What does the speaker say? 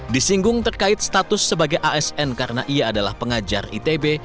disinggung terkait status sebagai asn karena ia adalah pengajar itb